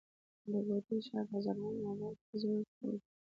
د کوټي ښار په زرغون آباد کي زموږ کور دی.